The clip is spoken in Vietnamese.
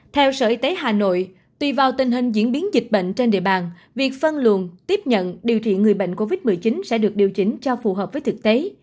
theo sở y tế hà nội tùy vào tình hình diễn biến dịch bệnh trên địa bàn việc phân luồn tiếp nhận điều trị người bệnh covid một mươi chín sẽ được điều chỉnh cho phù hợp với thực tế